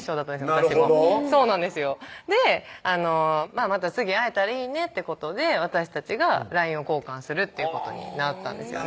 私もなるほどまた次会えたらいいねってことで私たちがＬＩＮＥを交換するっていうことになったんですよね